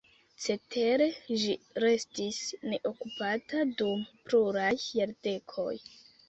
Cetere ĝi restis neokupata dum pluraj jardekoj.